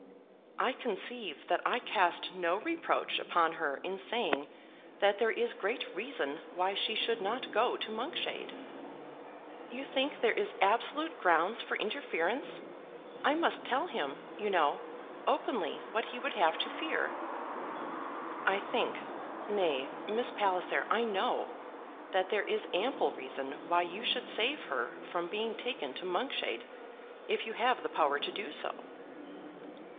"I conceive that I cast no reproach upon her in saying that there is great reason why she should not go to Monkshade." "You think there is absolute grounds for interference? I must tell him, you know, openly what he would have to fear." "I think, nay, Miss Palliser, I know, that there is ample reason why you should save her from being taken to Monkshade, if you have the power to do so."